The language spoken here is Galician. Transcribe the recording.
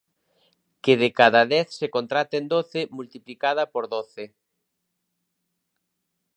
Que de cada dez se contraten doce, multiplicada por doce.